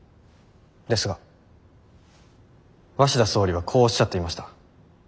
ですが鷲田総理はこうおっしゃっていました。